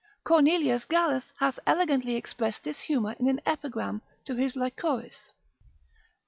Cornelius Gallus hath elegantly expressed this humour in an epigram to his Lychoris.